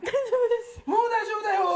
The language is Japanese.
もう大丈夫だよ。